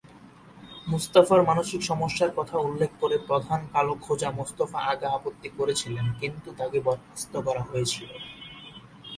মুস্তাফার মানসিক সমস্যার কথা উল্লেখ করে প্রধান কালো খোজা মোস্তফা আগা আপত্তি করেছিলেন, কিন্তু তাকে বরখাস্ত করা হয়েছিল।